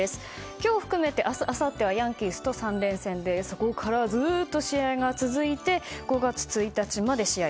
今日含めて明日あさってはヤンキースと３連戦でそこからずっと試合が続いて５月１日まで試合。